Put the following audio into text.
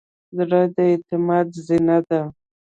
زړه د اعتماد زینه ده.